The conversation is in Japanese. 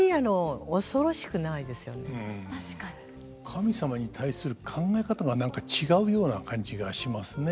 神様に対する考え方が何か違うような感じがしますね。